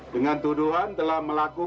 dengan tuduhan telah melakukan